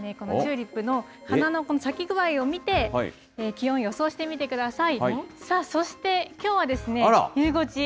このチューリップの花の咲き具合を見て気温予想してみてください。